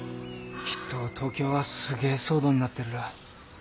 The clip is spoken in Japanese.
きっと東京はすげえ騒動になってるら。